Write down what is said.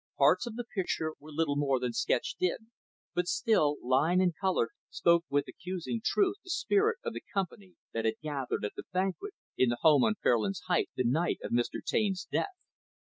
Parts of the picture were little more than sketched in, but still, line and color spoke with accusing truth the spirit of the company that had gathered at the banquet in the home on Fairlands Heights, the night of Mr. Taine's death.